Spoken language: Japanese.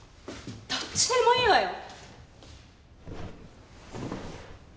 どっちでもいいわよ！